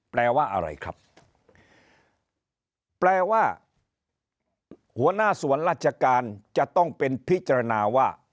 แปลว่าอะไรครับแปลว่าหัวหน้าส่วนราชการจะต้องเป็นพิจารณาว่า